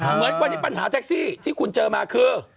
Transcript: เหมือนวันนี้ปัญหาแท็กซี่ที่คุณเจอมาคือ